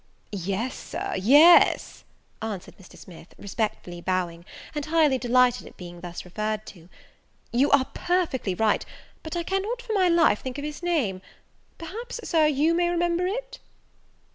"Yes, Sir, yes," answered Mr. Smith, respectfully bowing, and highly delighted at being thus referred to, "you are perfectly right; but I cannot for my life think of his name; perhaps, Sir, you may remember it?"